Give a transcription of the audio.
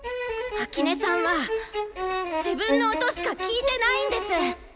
秋音さんは自分の音しか聴いてないんです。